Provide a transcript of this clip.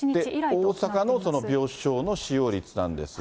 大阪の病床の使用率なんですが。